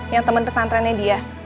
yang temen pesantrennya dia